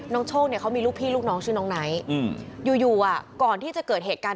โชคเนี่ยเขามีลูกพี่ลูกน้องชื่อน้องไนท์อยู่ก่อนที่จะเกิดเหตุการณ์